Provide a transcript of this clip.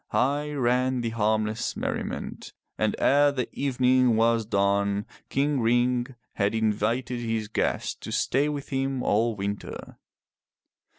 High ran the harmless merriment. And ere the evening was done King Ring had invited his guest to stay with him all winter.